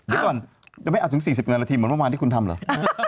เดี๋ยวก่อนจะไม่เอาถึง๔๐นาทีเหมือนเมื่อวานที่คุณทำเหรอ